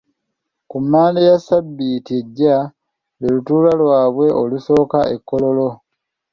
Ku Mmande ya sabiiti ejja lwe lutuula lwabwe olusooka e Kololo.